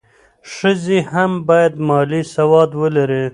ښځې هم باید مالي سواد ولري.